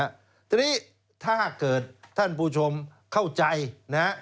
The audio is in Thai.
ทีนี้ถ้าเกิดท่านผู้ชมเข้าใจนะฮะ